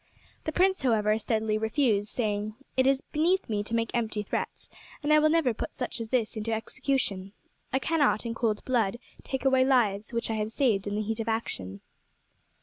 The prince, however, steadily refused, saying, "It is beneath me to make empty threats, and I will never put such as this into execution. I cannot in cold blood take away lives which I have saved in the heat of action."